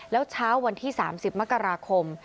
แล้วเช้าวันที่๓๐มกราคม